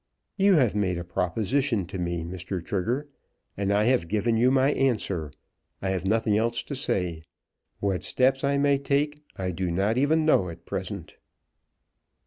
"You have made a proposition to me, Mr. Trigger, and I have given you my answer. I have nothing else to say. What steps I may take I do not even know at present."